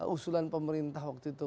usulan pemerintah waktu itu